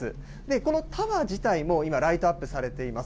このタワー自体も、今、ライトアップされています。